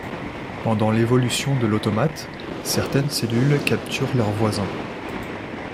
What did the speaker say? Pendant l'évolution de l'automate, certaines cellules capturent leurs voisins.